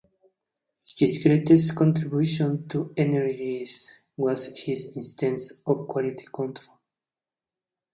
His greatest contribution to engineering was his insistence on quality control.